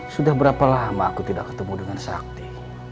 sudah berapa lama aku tidak ketemu dengan sakti